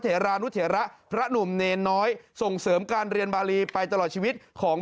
ท่านโทษนะคะนำพริกย่อนเอง